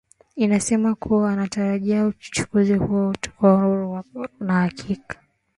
imesema kuwa wanatarajia uchaguzi huo utakuwa huru na wa haki